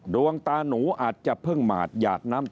ดวงตาหนูอาจจะเพิ่งหมาดหยาดน้ำ